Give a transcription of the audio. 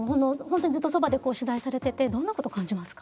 ずっとそばで取材されててどんなこと感じますか？